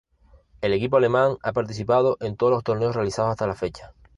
El equipo alemán ha participado en todos los torneos realizados hasta la fecha.